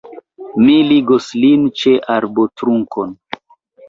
Mi ligos lin ĉe arbotrunkon.